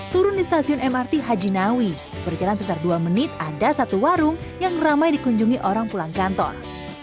turun di stasiun mrt haji nawi berjalan sekitar dua menit ada satu warung yang ramai dikunjungi orang pulang kantor